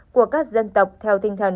của các dân tộc theo tinh thần